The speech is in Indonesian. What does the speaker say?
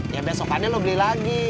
ya besokannya lo beli lagi